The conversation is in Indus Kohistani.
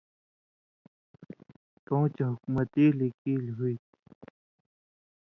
کؤں چے حُکمتی لِکېل ہُوئ تُھو۔